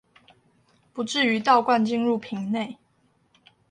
不致於倒灌進入瓶內